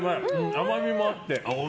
甘みもあって。